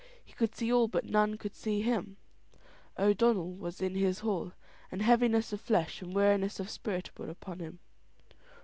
He could see all but none could see him. O'Donnell was in his hall, and heaviness of flesh and weariness of spirit were upon him.